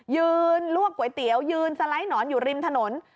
ลวกก๋วยเตี๋ยวยืนสไลด์หนอนอยู่ริมถนน